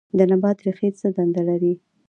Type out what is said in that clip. د نبات ریښې څه دنده لري